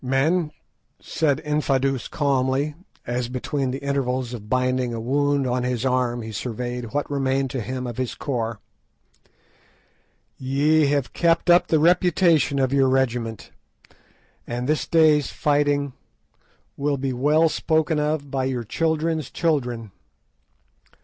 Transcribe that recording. "Men," said Infadoos calmly, as between the intervals of binding a wound on his arm he surveyed what remained to him of his corps, "ye have kept up the reputation of your regiment, and this day's fighting will be well spoken of by your children's children."